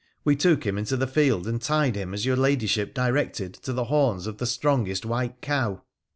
We took him into the field and tied him, as your ladyship directed, to the horns of the strongest white cow.